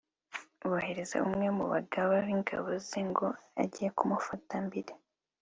yohereza umwe mu bagaba b'ingabo ze ngo ajye kumufata mpiri